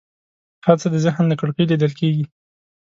هر څه د ذهن له کړکۍ لیدل کېږي.